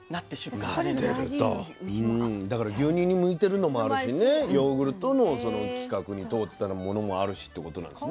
だから牛乳に向いてるのもあるしねヨーグルトのその規格に通ったものもあるしってことなんですね。